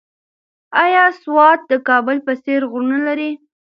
ایا سوات د کابل په څېر غرونه لري؟